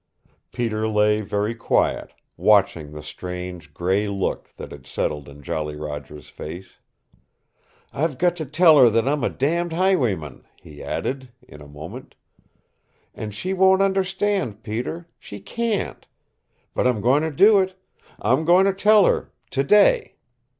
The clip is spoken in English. Peter lay very quiet, watching the strange gray look that had settled in Jolly Roger's face. "I've got to tell her that I'm a damned highwayman," he added, in a moment. "And she won't understand, Peter. She can't. But I'm going to do it. I'm going to tell her today.